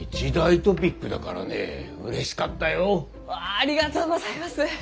ありがとうございます！